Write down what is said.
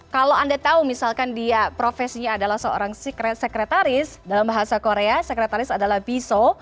kalau anda tahu misalkan dia profesinya adalah seorang sekretaris dalam bahasa korea sekretaris adalah biso